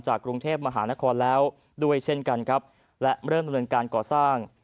กรุงเทพมหานครแล้วด้วยเช่นกันครับและเริ่มดำเนินการก่อสร้าง